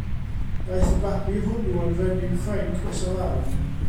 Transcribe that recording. Daeth y babi hwnnw yn frenin Ffrainc maes o law.